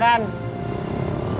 emang ni ani mau ke ropebek